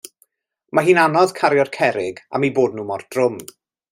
Mae hi'n anodd cario'r cerrig am 'u bod nhw mor drwm.